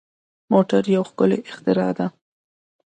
موټر یو ښکلی اختراع ده.